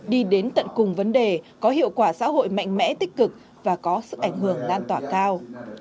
đi đến tận cùng vấn đề có hiệu quả xã hội mạnh mẽ tích cực và có sức ảnh hưởng lan tỏa cao